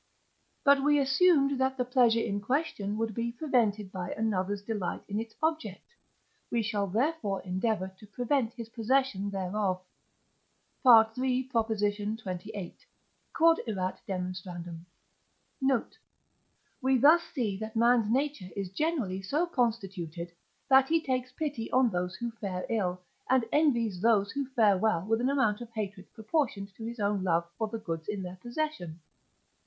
But we assumed that the pleasure in question would be prevented by another's delight in its object; we shall, therefore, endeavour to prevent his possession thereof (III. xxviii.). Q.E.D. Note. We thus see that man's nature is generally so constituted, that he takes pity on those who fare ill, and envies those who fare well with an amount of hatred proportioned to his own love for the goods in their possession.